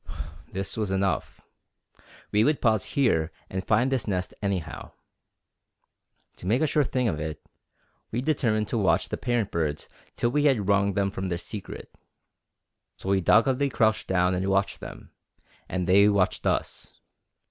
This was enough. We would pause here and find this nest, anyhow. To make a sure thing of it, we determined to watch the parent birds till we had wrung from them their secret. So we doggedly crouched down and watched them, and they watched us.